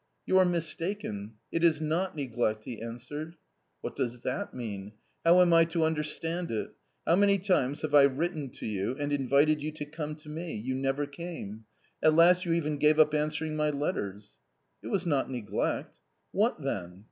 " You are mistaken ; it is not neglect," he answered. " What does that mean ? how am I to understand it ? how many times have I written to you and invited you to come to me ; you never came ; at last you even gave up answering my letters." " It was not neglect" "What then!"